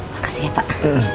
makasih ya pak